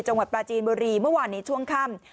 จังหวัดปราจีนบุรีเมื่อวานในช่วงค่ำ